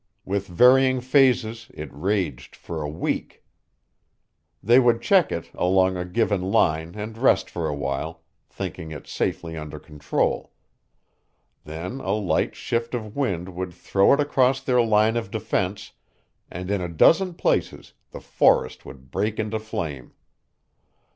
With varying phases it raged for a week. They would check it along a given line and rest for awhile, thinking it safely under control. Then a light shift of wind would throw it across their line of defense, and in a dozen places the forest would break into flame.